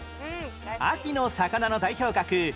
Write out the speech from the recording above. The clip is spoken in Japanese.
秋の魚の代表格さん